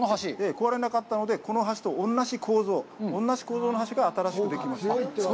壊れなかったので、この橋と同じ構造、同じ構造の橋が新しくできました。